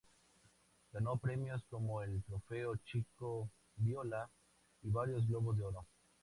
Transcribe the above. Ganó premios como el trofeo Chico Viola y varios Globos de Oro.